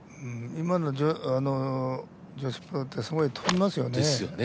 今の女子プロってすごい飛びますよね。